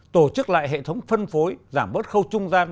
tổ chức lại hệ thống phân phối giảm bớt khâu trung gian